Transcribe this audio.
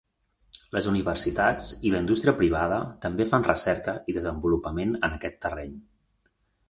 Les universitats i la indústria privada també fan recerca i desenvolupament en aquest terreny.